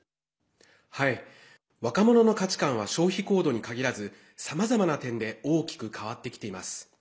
若者の価値観は消費行動に限らずさまざまな点で大きく変わってきています。